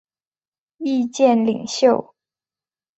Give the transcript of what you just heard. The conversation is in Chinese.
意见领袖。